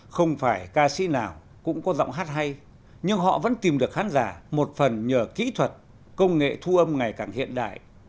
không phải ca sĩ nào cũng có giọng hát hay nhưng họ vẫn tìm được khán giả một phần nhờ kỹ thuật công nghệ thu âm ngày càng hiện đại